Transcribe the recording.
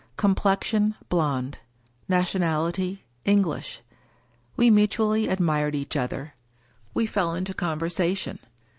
Complexion, blond. Nation ality, English. We mutually admired each other; we fell into conversation.